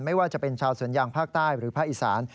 ไม่ว่าจะเป็นชาวสวนยางภาคใต้หรือภาคอีสาน